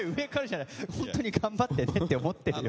本当に頑張ってねと思ってるよ。